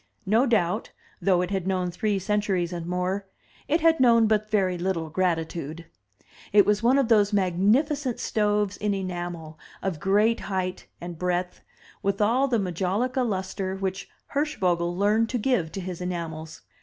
No doubt, though it had known three centuries and more, it had known but very little gratitude. It was one of those magnificent stoves in enamel, of great height and breadth, with all the majolica lustre which Hirschvogel learned to give to his enamels.